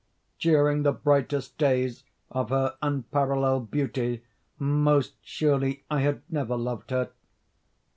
During the brightest days of her unparalleled beauty, most surely I had never loved her.